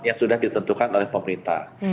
yang sudah ditentukan oleh pemerintah